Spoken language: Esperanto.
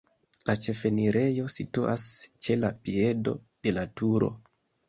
La ĉefenirejo situas ĉe la piedo de la turo.